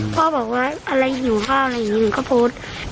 พ่อบอกว่าอะไรหิวข้าวอะไรอย่างนี้หนูก็โพสต์